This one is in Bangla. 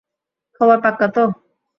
খবর পাক্কা তো?